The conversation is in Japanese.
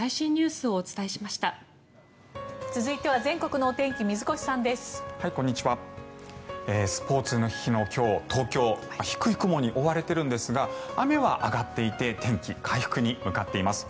スポーツの日の今日東京、低い雲に覆われているんですが雨は上がっていて天気、回復に向かっています。